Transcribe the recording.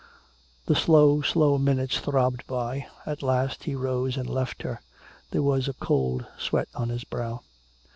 The slow, slow minutes throbbed away. At last he rose and left her. There was a cold sweat on his brow.